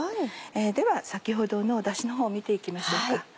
では先ほどのダシのほう見て行きましょうか。